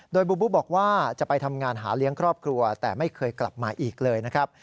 โดยบูบูบอกว่าจะไปทำงานหาเลี้ยงครอบครัวแต่ไม่เคยกลับมาอีกเลยนะครับ